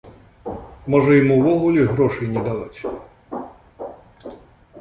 Можа, ім увогуле грошай не даваць?